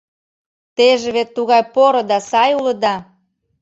Теже вет тугай поро да сай улыда!